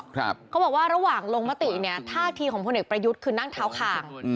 เขาบอกว่าระหว่างลงมติเนี่ยท่าทีของพลเอกประยุทธ์คือนั่งเท้าคาง